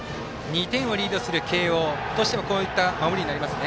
２点をリードする慶応としてはこういう守りになりますね。